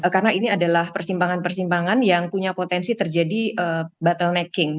karena ini adalah persimpangan persimpangan yang punya potensi terjadi bottlenecking